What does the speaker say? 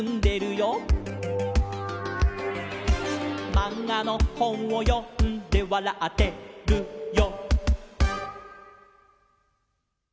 「まんがのほんをよんでわらってるよ」